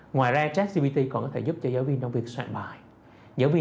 ngoài ra jack gpt còn có thể giúp cho giáo viên trong việc soạn bài